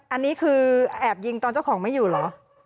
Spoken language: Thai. อันนี้คือแอบยิงตอนเจ้าของไม่อยู่เหรอ